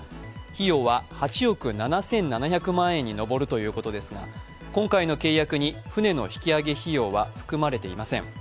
費用は８億７７００万円に上るということですが、今回の契約に船の引き揚げ費用は含まれていません。